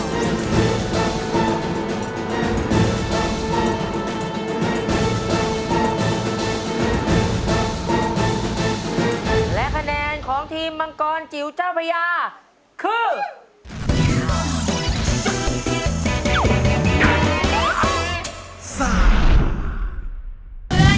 และคะแนนของทีมมังกรจิ๋วเจ้าพระยาคือ